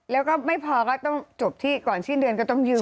แล้วก็ไม่พอก็ต้องจบที่ก่อนสิ้นเดือนก็ต้องยื้อ